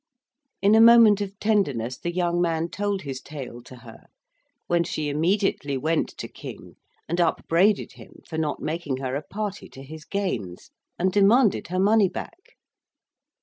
In a moment of tenderness the young man told his tale to her, when she immediately went to King and upbraided him for not making her a party to his gains, and demanded her money back.